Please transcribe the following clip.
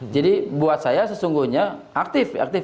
jadi buat saya sesungguhnya aktif